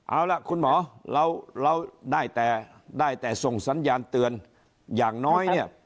เอาล่ะคุณหมอเราได้แต่ได้แต่ส่งสัญญาณเตือนอย่างน้อยเนี่ย